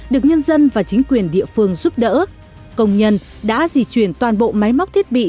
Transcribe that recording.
được nhân dân và chính quyền địa phương giúp đỡ công nhân đã di chuyển toàn bộ máy móc thiết bị